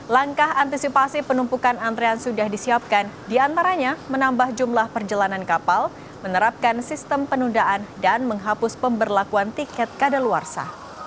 langkah antisipasi penumpukan antrean sudah disiapkan diantaranya menambah jumlah perjalanan kapal menerapkan sistem penundaan dan menghapus pemberlakuan tiket kadaluarsa